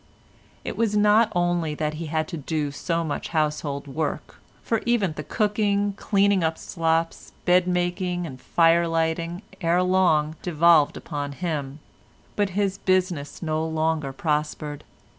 It was not only that he had to do so much household work, for even the cooking, cleaning up slops, bed making and fire lighting ere long devolved upon him, but his business no longer prospered.